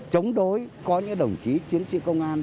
chống đối có những đồng chí chiến sĩ công an